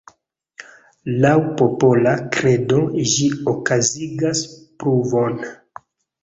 Laŭ popola kredo, ĝi okazigas pluvon.